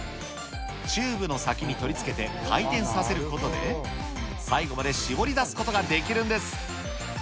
チューブの先に取り付けて回転させることで、最後まで絞り出すことができるんです。